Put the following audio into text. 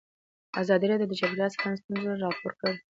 ازادي راډیو د چاپیریال ساتنه ستونزې راپور کړي.